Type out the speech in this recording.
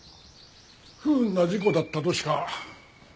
不運な事故だったとしか。